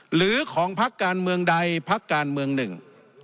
หรือของพักการเมืองใดพักการเมืองหนึ่ง